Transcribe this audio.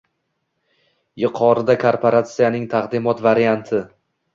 Yuqorida korporatsiyaning taqdimot varianti